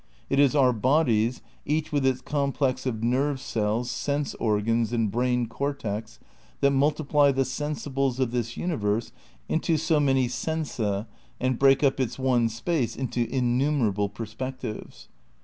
It is our bodies, each with its complex of nerve cells, sense organs and brain cortex, that multiply the sensibles of this universe into so many sensa and break up its one space into innumerable perspectives.